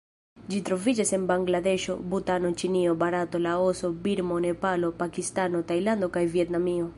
Ĝi troviĝas en Bangladeŝo, Butano, Ĉinio, Barato, Laoso, Birmo, Nepalo, Pakistano, Tajlando kaj Vjetnamio.